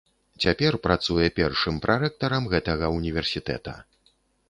Цяпер працуе першым прарэктарам гэтага ўніверсітэта.